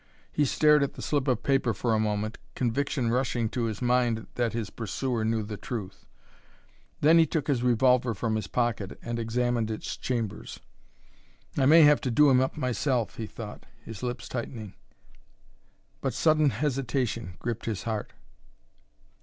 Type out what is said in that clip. He stared at the slip of paper for a moment, conviction rushing to his mind that his pursuer knew the truth; then he took his revolver from his pocket and examined its chambers. "I may have to do him up myself!" he thought, his lips tightening. But sudden hesitation gripped his heart.